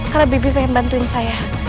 karena bibi pengen bantuin saya